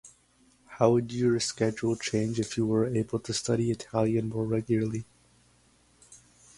How would your schedule change if you were able to study Italian more regularly?